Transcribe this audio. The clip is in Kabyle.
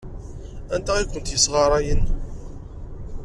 Anta ay kent-yessɣarayen?